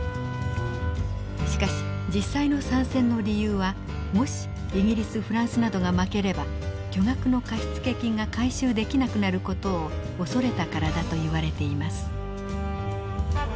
しかし実際の参戦の理由はもしイギリスフランスなどが負ければ巨額の貸付金が回収できなくなる事を恐れたからだといわれています。